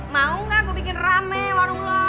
mau gak aku bikin rame warung lo